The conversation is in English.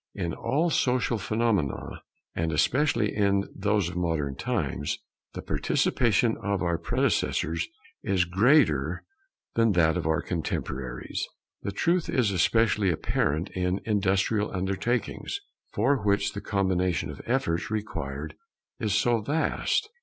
In all social phenomena, and especially in those of modern times, the participation of our predecessors is greater than that of our contemporaries. This truth is especially apparent in industrial undertakings, for which the combination of efforts required is so vast.